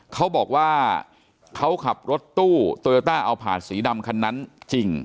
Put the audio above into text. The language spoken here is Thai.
เขาบอกว่าเขาขับรถตู้โตโยต้าเอาผาดสีดำคันนั้นจริง